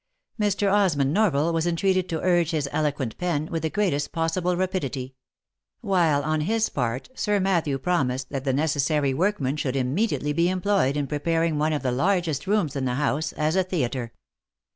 Mr. Osmond Norval was entreated to urge his eloquent pen with the greatest pos sible rapidity ; while on his part, Sir Matthew promised that the necessary workmen should immediately be employed in preparing one of the largest rooms in the house as a theatre.